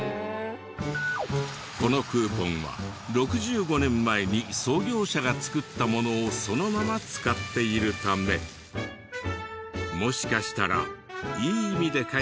このクーポンは６５年前に創業者が作ったものをそのまま使っているためもしかしたらいい意味で書いてあるのかも。